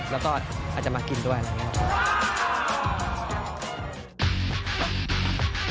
แล้วก็อาจจะมากินด้วยอะไรอย่างนี้ครับ